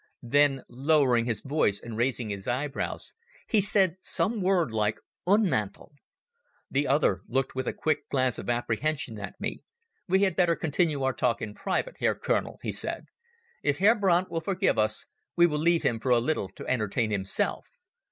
Then, lowering his voice and raising his eyebrows, he said some word like "Ühnmantl". The other looked with a quick glance of apprehension at me. "We had better continue our talk in private, Herr Colonel," he said. "If Herr Brandt will forgive us, we will leave him for a little to entertain himself."